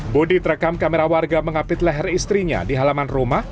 budi terekam kamera warga mengapit leher istrinya di halaman rumah